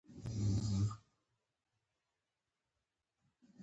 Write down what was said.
د خپلواکۍ په جګړه کې نقش ولوباوه.